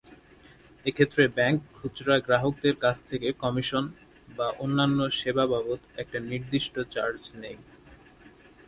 এক্ষেত্রে ব্যাংক খুচরা গ্রাহকদের কাছ থেকে কমিশন বা অন্যান্য সেবা বাবদ একটা নির্দিষ্ট চার্জ নেয়।